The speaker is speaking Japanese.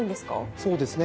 そうですね。